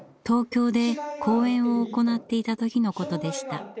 東京で講演を行っていた時のことでした。